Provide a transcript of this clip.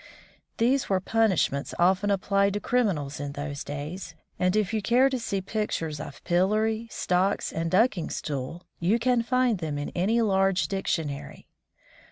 These were punishments often applied to criminals in those days, and if you care to see pictures of pillory, stocks, and ducking stool, you can find them in any large dictionary.